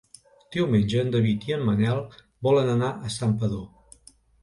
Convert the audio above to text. Diumenge en David i en Manel volen anar a Santpedor.